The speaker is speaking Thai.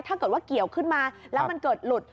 ถ้าเกิดว่าเกี่ยวขึ้นมาแล้วมันเกิดหลุด